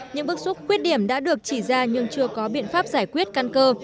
những bức xúc quyết điểm đã được chỉ ra nhưng chưa có biện pháp giải quyết căn cơ